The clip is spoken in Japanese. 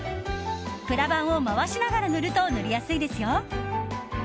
プラバンを回しながら塗ると塗りやすいですよ。